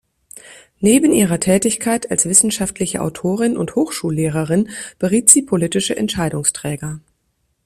Neben ihrer Tätigkeit als wissenschaftliche Autorin und Hochschullehrerin beriet sie politische Entscheidungsträger.